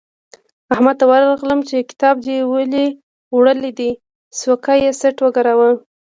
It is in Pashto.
احمد ته ورغلم چې کتاب دې ولې وړل دی؛ سوکه یې څټ وګاراوو.